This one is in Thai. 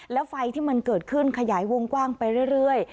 แล้วไฟที่มันเกิดขึ้นขยายวงกว้างไปเรื่อย